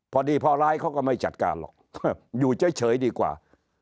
พอดีพอร้ายเขาก็ไม่จัดการหรอกอยู่เฉยดีกว่า